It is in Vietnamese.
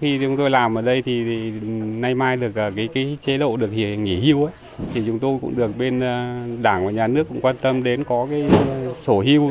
khi chúng tôi làm ở đây thì nay mai được chế độ được nghỉ hưu thì chúng tôi cũng được bên đảng và nhà nước cũng quan tâm đến có cái sổ hưu